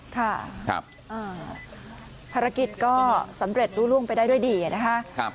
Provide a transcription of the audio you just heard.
ภารกิจก็สำเร็จลุ้งไปได้ด้วยดีนะครับ